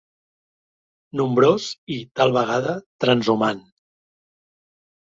Nombrós i tal vegada transhumant.